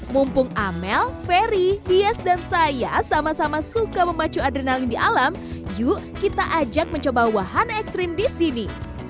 mumpung amel ferry hias dan saya sama sama suka memacu adrenalin di alam yuk kita ajak mencoba wahan ekstrim di sini